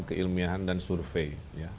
keilmiahan dan survei